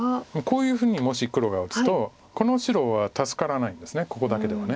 こういうふうにもし黒が打つとこの白は助からないんですここだけでは。